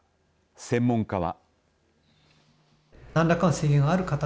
専門家は。